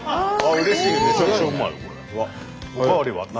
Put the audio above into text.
うれしい！